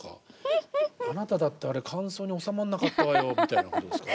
あなただってあれ間奏に収まんなかったわよみたいなことですか。